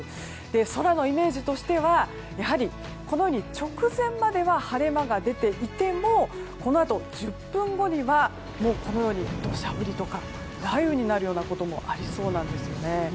空のイメージとしてはやはり直前までは晴れ間が出ていてもこのあと１０分後にはもうこのように土砂降りとか雷雨になるようなこともありそうなんですね。